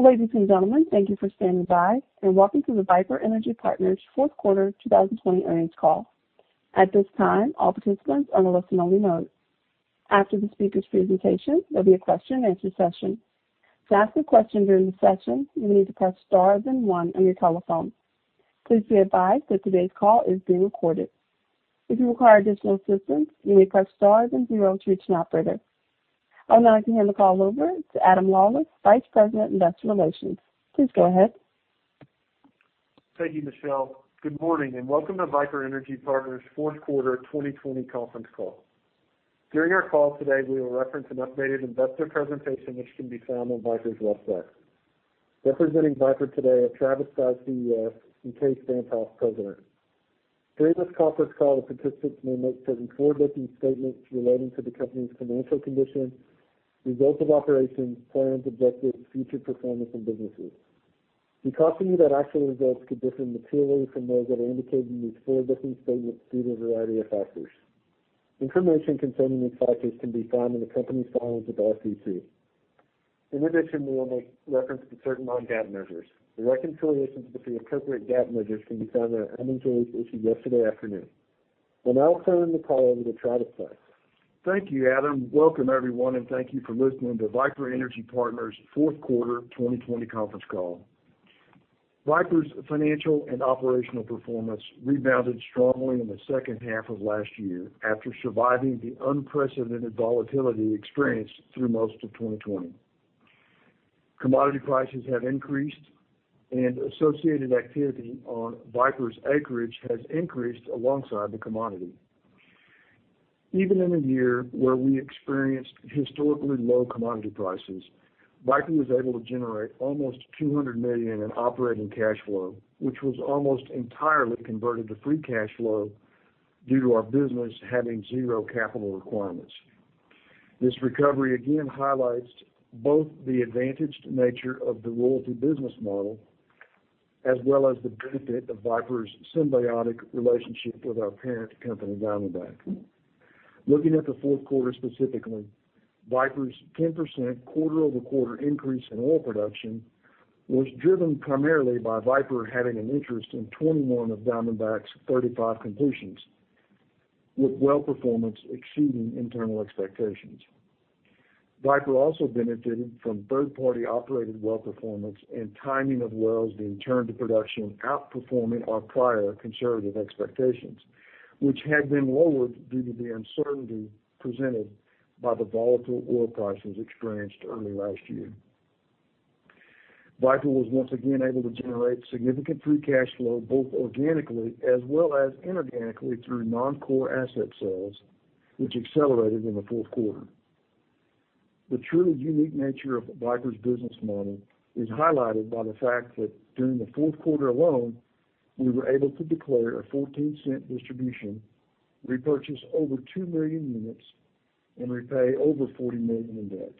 Ladies and gentlemen, thank you for standing by and welcome to the Viper Energy Partners fourth quarter 2020 earnings call. At this time, all participants are on a listen only mode. After the speaker's presentation, there'll be a question and answer session. To ask a question during the session, you will need to press star then one on your telephone. Please be advised that today's call is being recorded. If you require additional assistance, you may press star then zero to reach an operator. I would now like to hand the call over to Adam Lawlis, Vice President, Investor Relations. Please go ahead. Thank you, Michelle. Good morning and welcome to Viper Energy Partners fourth quarter 2020 conference call. During our call today, we will reference an updated investor presentation which can be found on Viper's website. Representing Viper today are Travis Stice, CEO, and Kaes Van't Hof, President. During this conference call, the participants may make certain forward-looking statements relating to the company's financial condition, results of operations, plans, objectives, future performance, and businesses. We caution you that actual results could differ materially from those that are indicated in these forward-looking statements due to a variety of factors. Information concerning these factors can be found in the company's filings with the SEC. In addition, we will make reference to certain non-GAAP measures. The reconciliation to the appropriate GAAP measures can be found in our earnings release issued yesterday afternoon. I'll now turn the call over to Travis Stice. Thank you, Adam. Welcome everyone, and thank you for listening to Viper Energy Partners fourth quarter 2020 conference call. Viper's financial and operational performance rebounded strongly in the second half of last year after surviving the unprecedented volatility experienced through most of 2020. Commodity prices have increased and associated activity on Viper's acreage has increased alongside the commodity. Even in a year where we experienced historically low commodity prices, Viper was able to generate almost $200 million in operating cash flow, which was almost entirely converted to free cash flow due to our business having zero capital requirements. This recovery again highlights both the advantaged nature of the royalty business model, as well as the benefit of Viper's symbiotic relationship with our parent company, Diamondback. Looking at the fourth quarter specifically, Viper's 10% quarter-over-quarter increase in oil production was driven primarily by Viper having an interest in 21 of Diamondback's 35 completions, with well performance exceeding internal expectations. Viper also benefited from third-party operated well performance and timing of wells being turned to production outperforming our prior conservative expectations, which had been lowered due to the uncertainty presented by the volatile oil prices experienced early last year. Viper was once again able to generate significant free cash flow, both organically as well as inorganically through non-core asset sales, which accelerated in the fourth quarter. The truly unique nature of Viper's business model is highlighted by the fact that during the fourth quarter alone, we were able to declare a $0.14 distribution, repurchase over 2 million units, and repay over $40 million in debt.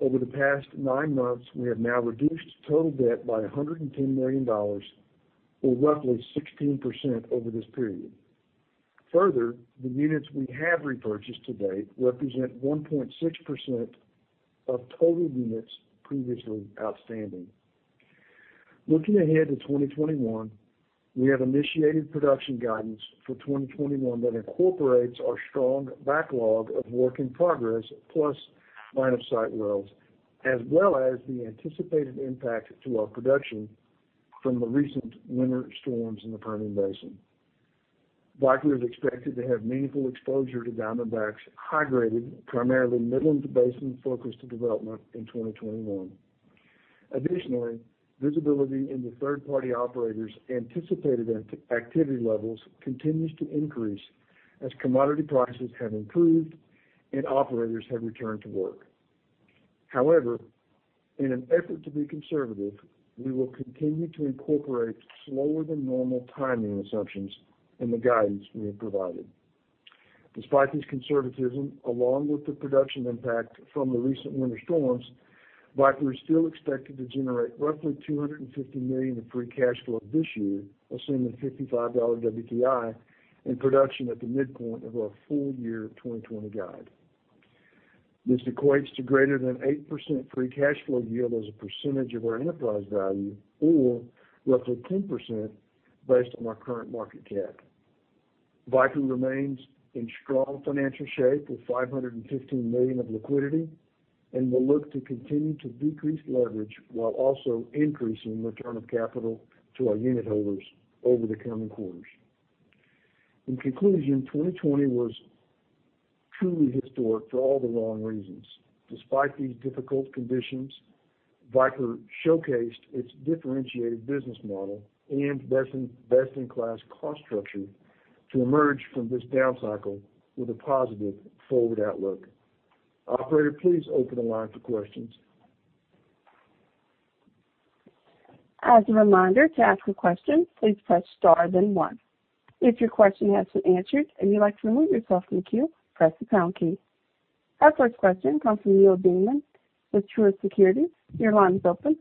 Over the past nine months, we have now reduced total debt by $110 million, or roughly 16% over this period. Further, the units we have repurchased to date represent 1.6% of total units previously outstanding. Looking ahead to 2021, we have initiated production guidance for 2021 that incorporates our strong backlog of work in progress plus line of sight wells, as well as the anticipated impact to our production from the recent winter storms in the Permian Basin. Viper is expected to have meaningful exposure to Diamondback's high graded, primarily Midland Basin focused development in 2021. Additionally, visibility into third-party operators' anticipated activity levels continues to increase as commodity prices have improved and operators have returned to work. However, in an effort to be conservative, we will continue to incorporate slower than normal timing assumptions in the guidance we have provided. Despite this conservatism, along with the production impact from the recent winter storms, Viper is still expected to generate roughly $250 million in free cash flow this year, assuming $55 WTI and production at the midpoint of our full year 2020 guide. This equates to greater than 8% free cash flow yield as a percentage of our enterprise value, or roughly 10% based on our current market cap. Viper remains in strong financial shape with $515 million of liquidity and will look to continue to decrease leverage while also increasing return of capital to our unit holders over the coming quarters. In conclusion, 2020 was truly historic for all the wrong reasons. Despite these difficult conditions, Viper showcased its differentiated business model and best-in-class cost structure to emerge from this down cycle with a positive forward outlook. Operator, please open the line for questions. As a reminder, to ask a question, please press star then one. If your question has been answered and you'd like to remove yourself from the queue, press the pound key. Our first question comes from Neal Dingmann with Truist Securities. Your line is open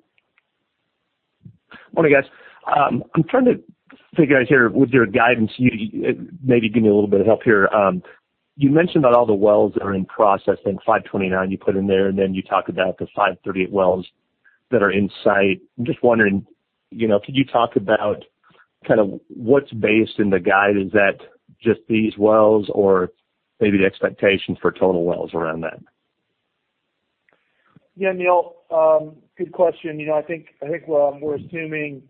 Morning, guys. I'm trying to figure out here with your guidance, maybe give me a little bit of help here. You mentioned that all the wells that are in process, then 529 you put in there, and then you talk about the 538 wells that are in sight. I'm just wondering, could you talk about what's based in the guide? Is that just these wells or maybe the expectations for total wells around that? Yeah, Neal. Good question. I think we're assuming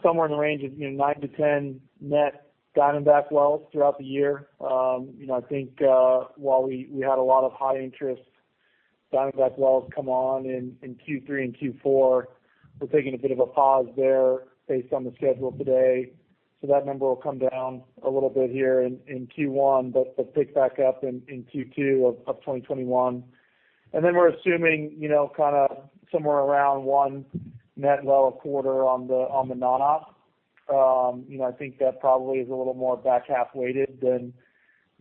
somewhere in the range of 9-10 net Diamondback wells throughout the year. I think while we had a lot of high-interest Diamondback wells come on in Q3 and Q4, we're taking a bit of a pause there based on the schedule today. That number will come down a little bit here in Q1, but pick back up in Q2 of 2021. We're assuming somewhere around one net well a quarter on the non-op. I think that probably is a little more back-half weighted than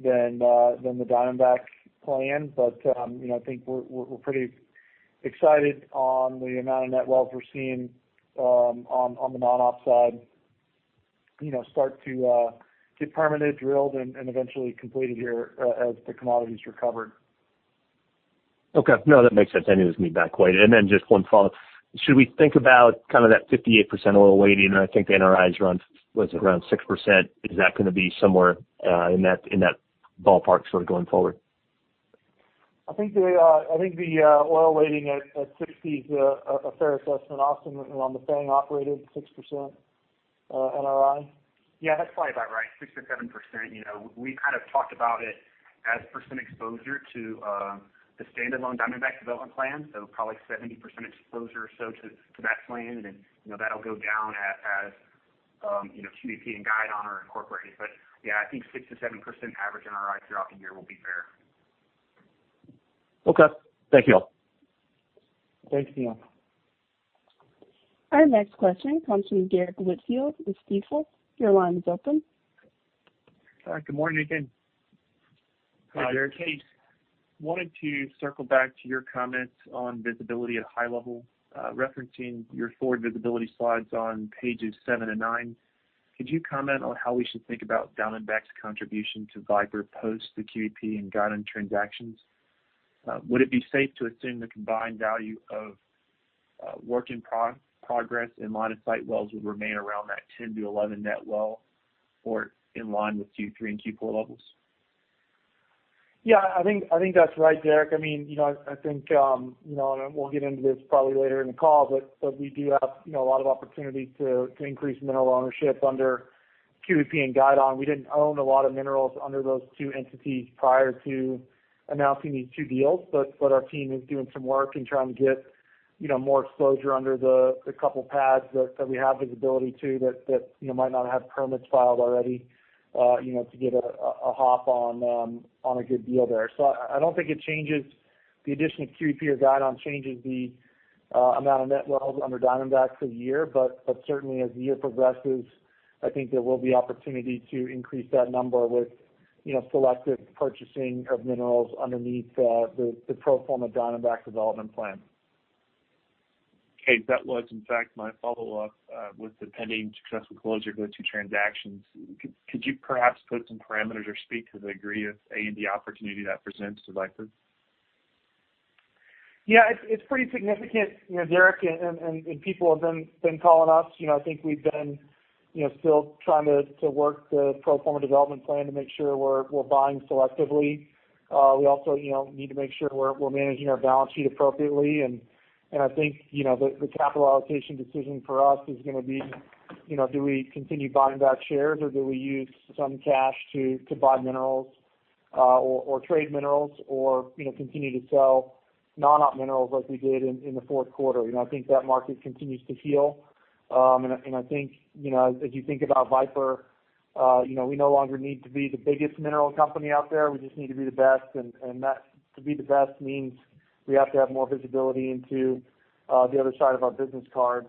the Diamondback plan. I think we're pretty excited on the amount of net wells we're seeing on the non-op side start to get permitted, drilled, and eventually completed here as the commodities recover. Okay. No, that makes sense. I knew it was going to be back weighted. Just one follow-up. Should we think about that 58% oil weighting? I think the NRIs were around 6%. Is that going to be somewhere in that ballpark going forward? I think the oil weighting at 60% is a fair assessment, Austen, around the FANG operated 6% NRI. Yeah, that's probably about right, 6%-7%. We kind of talked about it as percent exposure to the standalone Diamondback development plan. Probably 70% exposure or so to that plan, and that'll go down as QEP and Guidon are incorporated. Yeah, I think 6%-7% average NRI throughout the year will be fair. Okay. Thank you all. Thanks, Neal. Our next question comes from Derrick Whitfield with Stifel. Your line is open. Hi, good morning again. Hi, Derrick. Kaes, wanted to circle back to your comments on visibility at high level. Referencing your forward visibility slides on pages seven and nine, could you comment on how we should think about Diamondback's contribution to Viper post the QEP and Guidon transactions? Would it be safe to assume the combined value of work in progress and on-site wells would remain around that 10 to 11 net well, or in line with Q3 and Q4 levels? Yeah, I think that's right, Derrick. I think, we'll get into this probably later in the call, but we do have a lot of opportunity to increase mineral ownership under QEP and Guidon. We didn't own a lot of minerals under those two entities prior to announcing these two deals, our team is doing some work and trying to get more exposure under the couple pads that we have visibility to that might not have permits filed already to get a hop on a good deal there. I don't think the addition of QEP or Guidon changes the amount of net wells under Diamondback for the year. Certainly, as the year progresses, I think there will be opportunity to increase that number with selective purchasing of minerals underneath the pro forma Diamondback development plan. Kaes, that was, in fact, my follow-up with the pending successful close of those two transactions. Could you perhaps put some parameters or speak to the degree of A&D opportunity that presents to Viper? Yeah, it's pretty significant, Derrick, and people have been calling us. I think we've been still trying to work the pro forma development plan to make sure we're buying selectively. We also need to make sure we're managing our balance sheet appropriately. I think the capital allocation decision for us is going to be, do we continue buying back shares, or do we use some cash to buy minerals or trade minerals or continue to sell non-op minerals as we did in the fourth quarter? I think that market continues to heal, and I think as you think about Viper, we no longer need to be the biggest mineral company out there. We just need to be the best. To be the best means we have to have more visibility into the other side of our business card,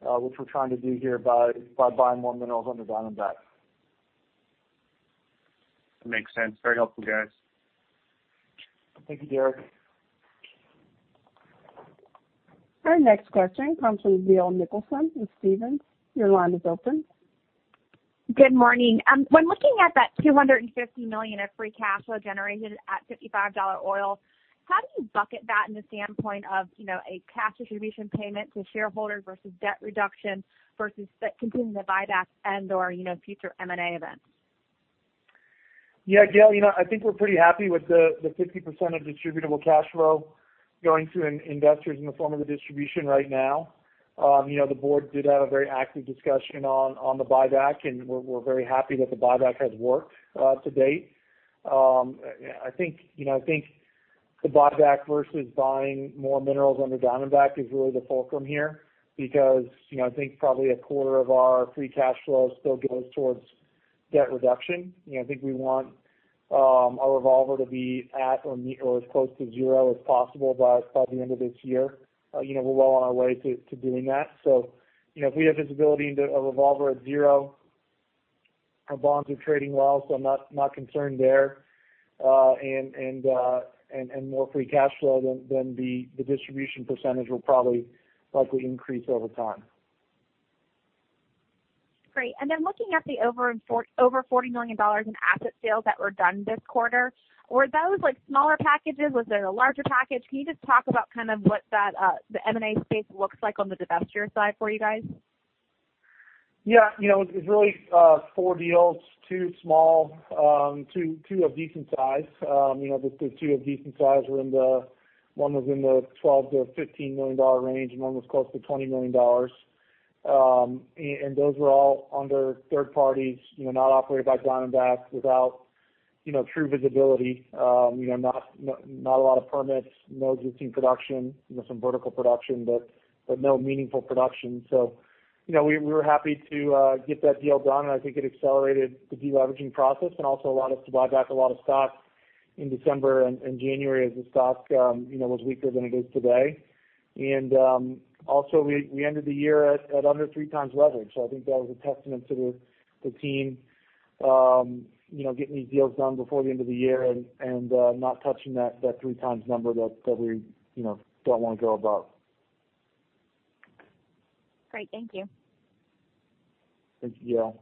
which we're trying to do here by buying more minerals under Diamondback. That makes sense. Very helpful, guys. Thank you, Derrick. Our next question comes from Gail Nicholson with Stephens. Your line is open. Good morning. When looking at that $250 million of free cash flow generated at $55 oil, how do you bucket that in the standpoint of a cash distribution payment to shareholders versus debt reduction versus continuing the buyback and/or future M&A events? Yeah, Gail, I think we're pretty happy with the 50% of distributable cash flow going to investors in the form of a distribution right now. The board did have a very active discussion on the buyback, and we're very happy that the buyback has worked to date. I think the buyback versus buying more minerals under Diamondback is really the fulcrum here because I think probably a quarter of our free cash flow still goes towards debt reduction. I think we want our revolver to be at or as close to zero as possible by the end of this year. We're well on our way to doing that. If we have visibility into a revolver at zero. Our bonds are trading well, so I'm not concerned there. More free cash flow than the distribution percentage will probably likely increase over time. Great. Looking at the over $40 million in asset sales that were done this quarter, were those smaller packages? Was it a larger package? Can you just talk about what the M&A space looks like on the divestiture side for you guys? Yeah. It was really four deals, two of decent size. The two of decent size, one was in the $12 million-$15 million range, one was close to $20 million. Those were all under third parties, not operated by Diamondback, without true visibility. Not a lot of permits, no existing production, some vertical production, but no meaningful production. We were happy to get that deal done, I think it accelerated the de-leveraging process also allowed us to buy back a lot of stock in December and January as the stock was weaker than it is today. Also, we ended the year at under 3x leverage. I think that was a testament to the team getting these deals done before the end of the year and not touching that 3x number that we don't want to go above. Great. Thank you. Thank you.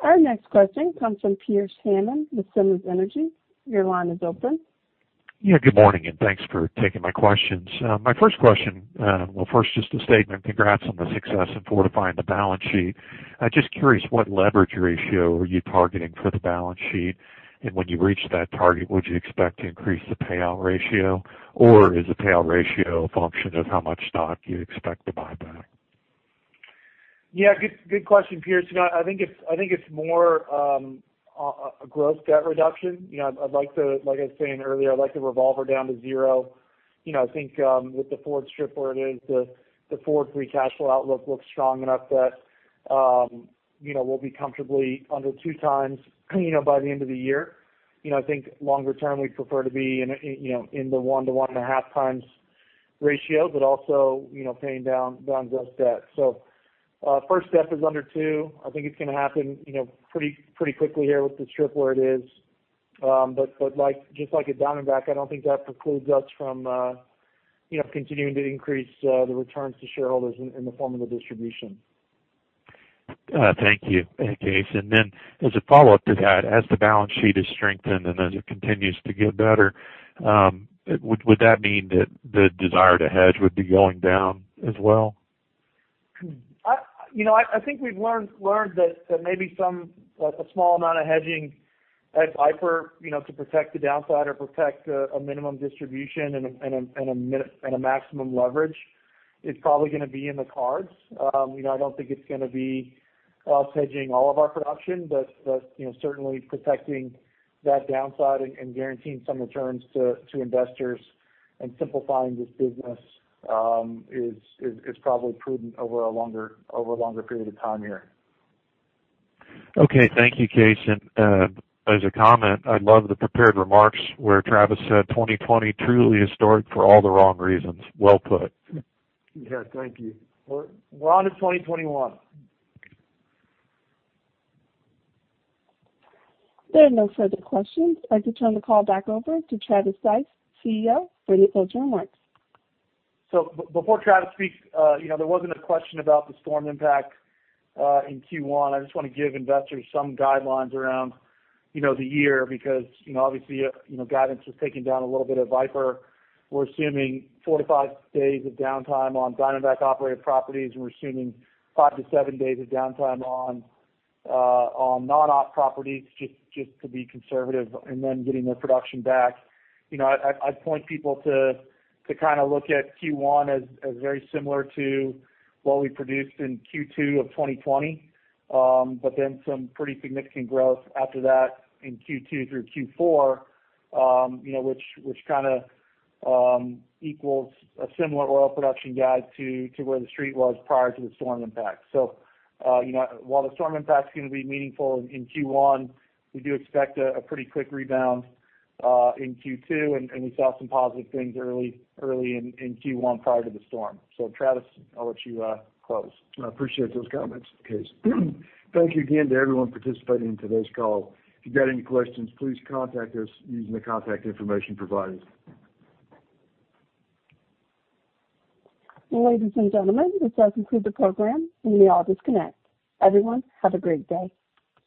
Our next question comes from Pearce Hammond with Simmons Energy. Your line is open. Good morning, thanks for taking my questions. My first question, well, first, just a statement. Congrats on the success in fortifying the balance sheet. I'm just curious what leverage ratio are you targeting for the balance sheet? When you reach that target, would you expect to increase the payout ratio? Or is the payout ratio a function of how much stock you expect to buy back? Good question, Pearce. It's more a gross debt reduction. I'd like the revolver down to zero. With the forward strip where it is, the forward free cash flow outlook looks strong enough that we'll be comfortably under 2x by the end of the year. Longer term, we'd prefer to be in the 1x-1.5x ratio, but also paying down gross debt. First step is under 2x. It's going to happen pretty quickly here with the strip where it is. Just like at Diamondback, I don't think that precludes us from continuing to increase the returns to shareholders in the form of a distribution. Thank you, Kaes. As a follow-up to that, as the balance sheet is strengthened and as it continues to get better, would that mean that the desire to hedge would be going down as well? I think we've learned that maybe a small amount of hedging at Viper to protect the downside or protect a minimum distribution and a maximum leverage is probably going to be in the cards. I don't think it's going to be us hedging all of our production, but certainly protecting that downside and guaranteeing some returns to investors and simplifying this business is probably prudent over a longer period of time here. Okay. Thank you, Kaes. As a comment, I love the prepared remarks where Travis said 2020 truly historic for all the wrong reasons. Well put. Yeah. Thank you. We're on to 2021. There are no further questions. I'd like to turn the call back over to Travis Stice, CEO, for any closing remarks. Before Travis speaks, there wasn't a question about the storm impact in Q1. I just want to give investors some guidelines around the year because obviously, guidance was taken down a little bit at Viper. We're assuming four to five days of downtime on Diamondback-operated properties, and we're assuming five to seven days of downtime on non-op properties just to be conservative and then getting their production back. I'd point people to look at Q1 as very similar to what we produced in Q2 of 2020. Some pretty significant growth after that in Q2 through Q4 which equals a similar oil production guide to where the street was prior to the storm impact. While the storm impact is going to be meaningful in Q1, we do expect a pretty quick rebound in Q2, and we saw some positive things early in Q1 prior to the storm. Travis, I'll let you close. I appreciate those comments, Kaes. Thank you again to everyone participating in today's call. If you've got any questions, please contact us using the contact information provided. Ladies and gentlemen, this does conclude the program. You may all disconnect. Everyone, have a great day.